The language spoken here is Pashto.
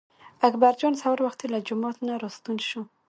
اکبر جان سهار وختي له جومات نه راستون شو.